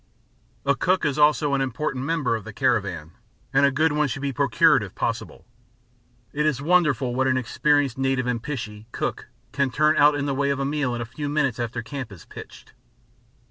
The cook is also an important member of the caravan, and a good one should be procured if possible. It is wonderful what an experienced native mpishi (cook) can turn out in the way of a meal in a few minutes after camp is pitched.